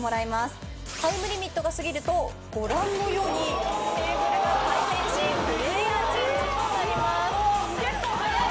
タイムリミットが過ぎるとご覧のようにテーブルが回転しプレーヤーチェンジとなります。